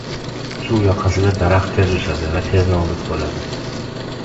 • Suv yoqasida daraxt tez o‘sadi va tez nobud bo‘ladi.